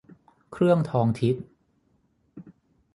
เครื่องทองทิศ